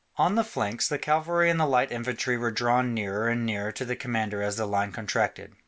On the flanks, the cavalry and the light infantry were drawn nearer and nearer to the commander as the line contracted.